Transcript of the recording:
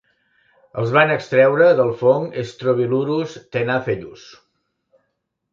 Els van extreure del fong "strobilurus tenacellus".